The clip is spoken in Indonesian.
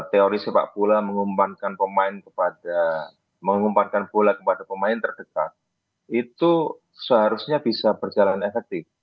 teori sepak bola mengumpankan pemain kepada mengumpankan bola kepada pemain terdekat itu seharusnya bisa berjalan efektif